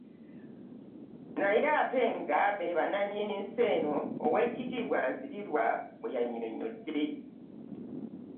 Naye ate nga be bannannyini nsi eno,” Owek. Nsibirwa bw'annyonnyodde.